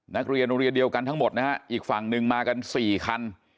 นักเรียนโรงเรียนเดียวกันทั้งหมดนะฮะอีกฝั่งหนึ่งมากันสี่คัน